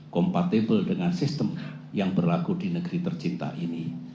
kompatibel dengan sistem yang berlaku di negeri tercinta ini